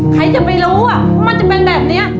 ใครจะไปรู้ว่ามันจะเป็นแบบนี้